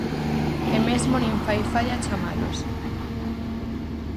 E mesmo nin fai falla chamalos.